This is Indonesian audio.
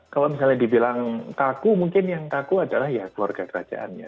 kalau misalnya dibilang kaku mungkin yang kaku adalah ya keluarga kerajaannya